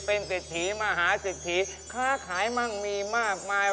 เป็นเศรษฐีมหาเศรษฐีค้าขายมั่งมีมากมาย